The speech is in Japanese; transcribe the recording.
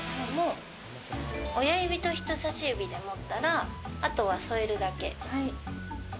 親指と人差し指で持ったら、あとは添えるだけ。